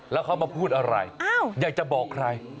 แล้วเขามาพูดอะไรอยากจะบอกใคร